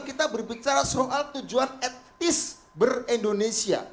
kita berbicara soal tujuan etis ber indonesia